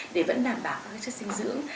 để vẫn đảm bảo các cái chất sinh dưỡng